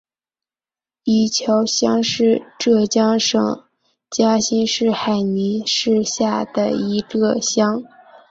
伊桥乡是浙江省嘉兴市海宁市下的一个乡。